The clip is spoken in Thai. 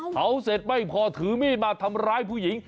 เสร็จไม่พอถือมีดมาทำร้ายผู้หญิง